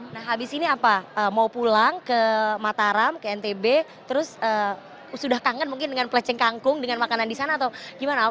nah habis ini apa mau pulang ke mataram ke ntb terus sudah kangen mungkin dengan peleceng kangkung dengan makanan di sana atau gimana